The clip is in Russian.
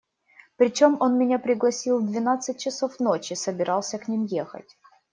Причем он меня пригласил в двенадцать часов ночи, собирался к ним ехать.